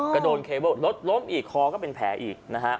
กระโดนเคเบิลลดล้มอีกคอก็เป็นแผลอีก